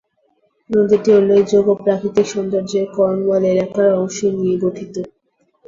নদীটি উল্লেখযোগ্য প্রাকৃতিক সৌন্দর্যের কর্নওয়াল এলাকার অংশ নিয়ে গঠিত।